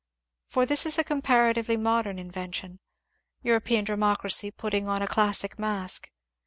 For this is a comparatively modem inven tion, — European democracy putting on a classic mask.